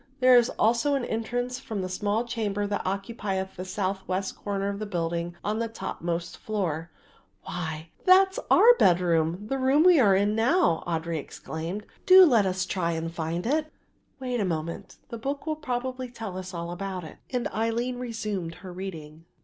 There is also an entrance from the small Chamber that occupieth the southwest corner of the building on the topmost floor." "Why, that is our bedroom, the room that we are in now!" Audry exclaimed. "Do let us try and find it." "Wait a moment; the book will probably tell us all about it," and Aline resumed her reading.